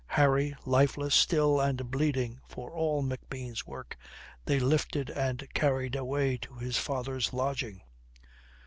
Harry, lifeless still and bleeding, for all McBean's work, they lifted and carried away to his father's lodging.